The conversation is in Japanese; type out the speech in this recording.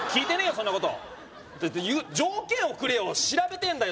そんなこと条件をくれよ調べてんだよ